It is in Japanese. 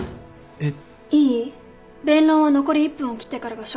えっ？